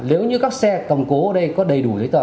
nếu như các xe cầm cố ở đây có đầy đủ giấy tờ